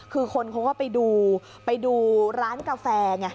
คือคนเขาก็ไปดูร้านกาแฟ